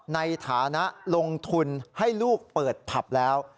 ในฐานะลงทุนให้ลูกเปิดผับแล้ว